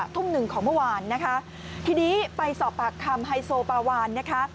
ทุ่มหนึ่งของเมื่อวานนะคะทีนี้ไปสอบปากคำไฮโซปาวานนะคะ